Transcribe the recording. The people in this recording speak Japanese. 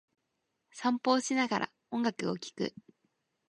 散歩をしながら、音楽を聴く。